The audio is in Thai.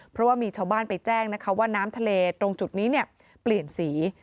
เพราะว่ามีชาวบ้านไปแจ้งนะคะว่าน้ำทะเลตรงจุดนี้เปลี่ยนสี